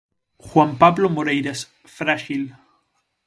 Juan Pablo Moreiras: Fráxil.